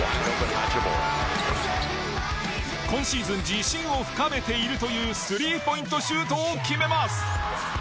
今シーズン自信を深めているというスリーポイントシュートを決めます。